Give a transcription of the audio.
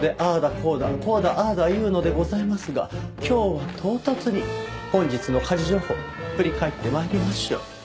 こうだこうだああだ言うのでございますが今日は唐突に本日の家事情報振り返って参りましょう。